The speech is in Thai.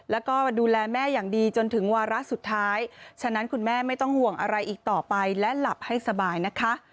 แล้วก็ดูแลแม่อย่างดีจนถึงวาระสุดท้ายฉะนั้นคุณแม่ไม่ต้องห่วงอะไรอีกต่อไปและหลับให้สบายนะคะ